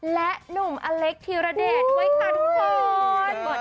และหนุ่มอเล็กธีรเดชด้วยค่ะทุกคน